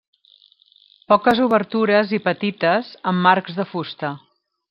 Poques obertures i petites amb marcs de fusta.